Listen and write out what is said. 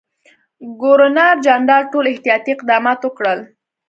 ګورنرجنرال ټول احتیاطي اقدامات وکړل.